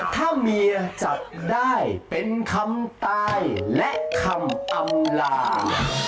ถ้าเมียจับได้เป็นคำตายและคำอำลา